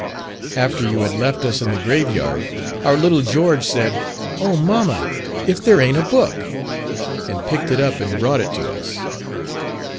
"After you had left us in the grave yard, our little George said, 'O, mamma, if there aint a book!' and picked it up and brought it to us.